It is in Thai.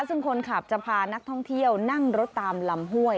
ซึ่งคนขับจะพานักท่องเที่ยวนั่งรถตามลำห้วย